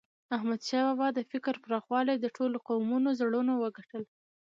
احمدشاه بابا د فکر پراخوالي د ټولو قومونو زړونه وګټل.